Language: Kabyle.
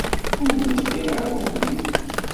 Ur neffiɣ ara i ubrid-ik.